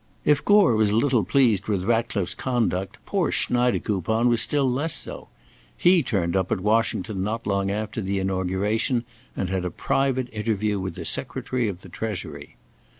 If Gore was little pleased with Ratcliffe's conduct, poor Schneidekoupon was still less so. He turned up again at Washington not long after the Inauguration and had a private interview with the Secretary of the Treasury.